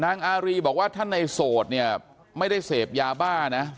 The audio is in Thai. อารีบอกว่าท่านในโสดเนี่ยไม่ได้เสพยาบ้านะ